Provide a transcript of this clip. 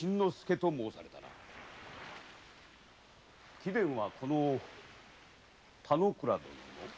貴殿はこの田之倉殿とは？